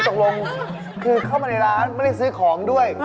ตกลงคือเข้ามาในร้านไม่ได้ซื้อของด้วย